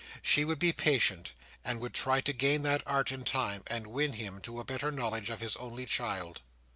She would be patient, and would try to gain that art in time, and win him to a better knowledge of his only child.